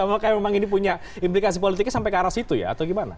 apakah memang ini punya implikasi politiknya sampai ke arah situ ya atau gimana